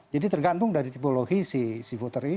jadi tergantung dari tipologi si footer